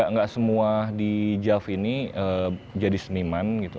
nggak semua di jav ini jadi seniman gitu